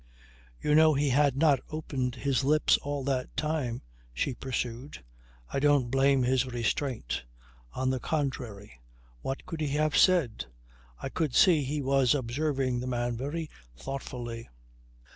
"You know he had not opened his lips all that time," she pursued. "I don't blame his restraint. On the contrary. What could he have said? I could see he was observing the man very thoughtfully."